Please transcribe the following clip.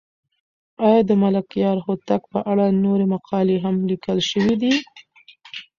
آیا د ملکیار هوتک په اړه نورې مقالې هم لیکل شوې دي؟